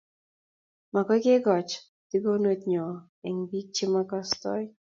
Makoi kekochi tigenot nyo eng biik che makastoi